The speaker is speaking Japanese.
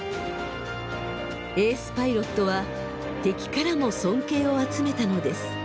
エースパイロットは敵からも尊敬を集めたのです。